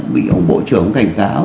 bị ông bộ trưởng cảnh cáo